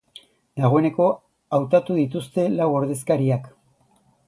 Dagoeneko hautatu dituzte lau ordezkariak.